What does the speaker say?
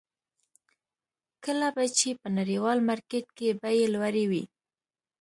کله به چې په نړیوال مارکېټ کې بیې لوړې وې.